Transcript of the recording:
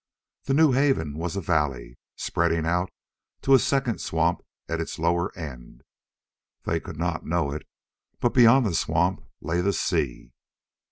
The new haven was a valley, spreading out to a second swamp at its lower end. They could not know it, but beyond the swamp lay the sea.